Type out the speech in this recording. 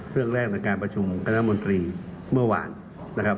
เรื่องแรกในการประชุมคณะมนตรีเมื่อวานนะครับ